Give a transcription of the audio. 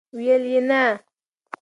ویل یې، نه!!!